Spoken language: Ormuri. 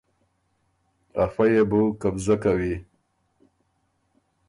افۀ يې بو قبضه کوی۔